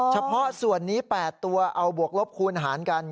เฉพาะส่วนนี้๘ตัวเอาบวกลบคูณหารกัน